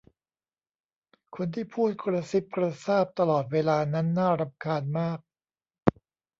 คนที่พูดกระซิบกระซาบตลอดเวลานั้นน่ารำคาญมาก